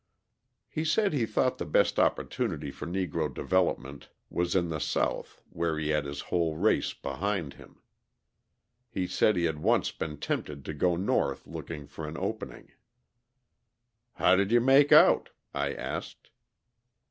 He said he thought the best opportunity for Negro development was in the South where he had his whole race behind him. He said he had once been tempted to go North looking for an opening. "How did you make out?" I asked.